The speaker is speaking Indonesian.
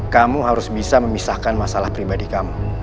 kamu harus bisa memisahkan masalah pribadi kamu